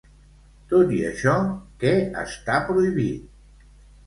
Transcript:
Tot i això, què està prohibit?